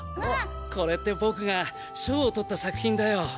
これって僕が賞をとった作品だよ。